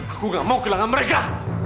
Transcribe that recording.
aku gak mau kehilangan mereka